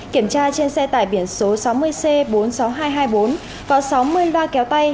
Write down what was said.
kiểm tra trên xe tải biển số sáu mươi c bốn mươi sáu nghìn hai trăm hai mươi bốn có sáu mươi loa kéo tay